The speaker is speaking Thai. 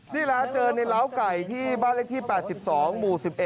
นี่แหละเจอในร้าวไก่ที่บ้านเลขที่๘๒หมู่๑๑